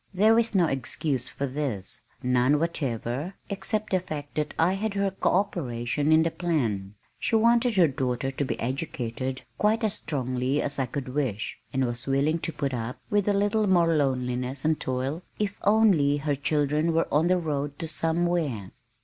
There is no excuse for this, none whatever except the fact that I had her co operation in the plan. She wanted her daughter to be educated quite as strongly as I could wish, and was willing to put up with a little more loneliness and toil if only her children were on the road to somewhere.